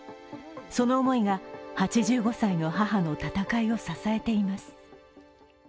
その思いが８５歳の母の闘いを支えています。